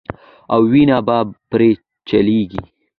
او وينه به بره چليږي